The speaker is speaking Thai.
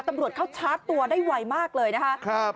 ตำรวจเขาชาร์จตัวได้ไวมากเลยนะคะ